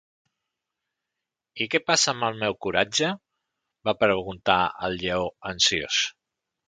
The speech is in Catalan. "I què passa amb el meu coratge?", va preguntar el Lleó, ansiós.